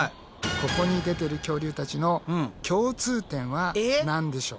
ここに出てる恐竜たちの共通点は何でしょう？